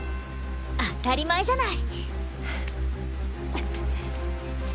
当たり前じゃない！